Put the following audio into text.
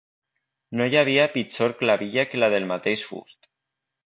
No hi ha pitjor clavilla que la del mateix fust.